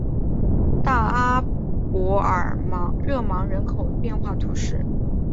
大阿伯尔热芒人口变化图示